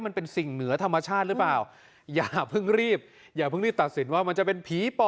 มันเป็นสิ่งเหนือธรรมชาติหรือเปล่าอย่าเพิ่งรีบอย่าเพิ่งรีบตัดสินว่ามันจะเป็นผีปอบ